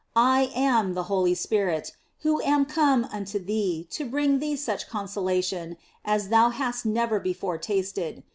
I am the Holy Spirit, who am come unto thee to bring thee such consolation as thou hast never before tasted.